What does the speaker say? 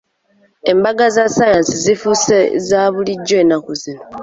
Embaga za ssaayansi zifuuse za bulijjo ennaku zino.